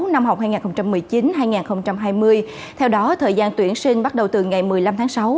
năm học hai nghìn một mươi chín hai nghìn hai mươi theo đó thời gian tuyển sinh bắt đầu từ ngày một mươi năm tháng sáu